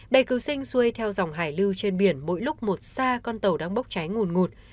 bè cứu sinh xuôi theo dòng hải lưu trên biển mỗi lúc một xa con tàu đang bốc cháy ngùn ngụt